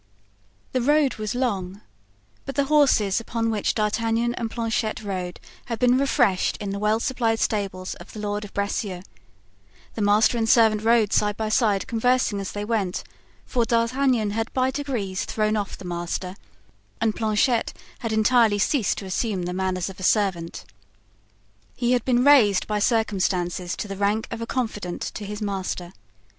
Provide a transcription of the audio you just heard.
The road was long, but the horses upon which D'Artagnan and Planchet rode had been refreshed in the well supplied stables of the Lord of Bracieux; the master and servant rode side by side, conversing as they went, for D'Artagnan had by degrees thrown off the master and Planchet had entirely ceased to assume the manners of a servant. He had been raised by circumstances to the rank of a confidant to his master.